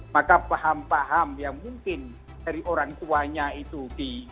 maka paham paham yang mungkin dari orang tuanya itu di